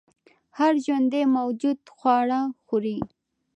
هر ژوندی موجود خواړه خوري